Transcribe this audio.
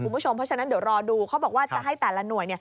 เพราะฉะนั้นเดี๋ยวรอดูเขาบอกว่าจะให้แต่ละหน่วย